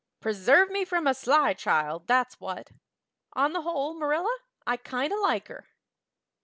Preserve me from a sly child, that's what. On the whole, Marilla, I kind of like her."